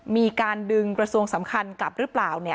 มีการดึงกระทรวงสำคัญกลับหรือเปล่า